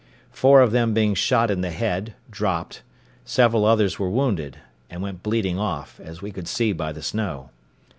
Four of them being shot in the head, dropped; several others were wounded, and went bleeding off, as we could see by the snow.